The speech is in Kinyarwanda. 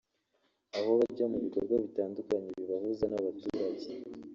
aho bajya mu bikorwa bitandukanye bibahuza n’abaturage